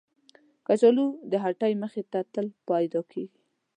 کچالو د هټۍ مخ ته تل پیدا کېږي